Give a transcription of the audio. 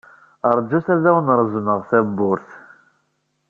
Ṛjut ad awen-reẓmeɣ tawwurt.